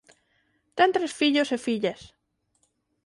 Ten tres fillos e fillas.